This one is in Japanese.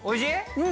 うん。